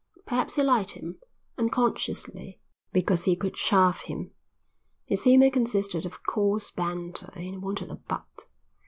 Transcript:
Perhaps he liked him, unconsciously, because he could chaff him. His humour consisted of coarse banter and he wanted a butt.